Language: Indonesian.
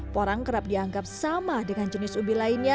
porang kerap dianggap sama dengan jenis ubi lainnya